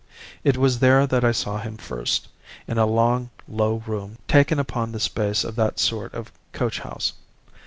"It was there that I saw him first, in a long low room taken upon the space of that sort of coach house.